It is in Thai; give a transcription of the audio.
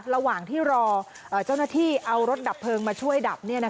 ระหว่างที่รอเจ้าหน้าที่เอารถดับเพลิงมาช่วยดับ